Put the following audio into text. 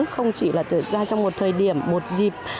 không chỉ là trong một thời điểm một dịp